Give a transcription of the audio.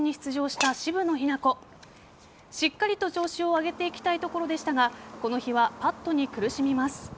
しっかりと調子を上げていきたいところでしたがこの日はパットに苦しみます。